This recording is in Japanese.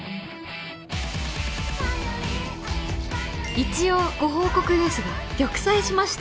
「一応ご報告ですが玉砕しました。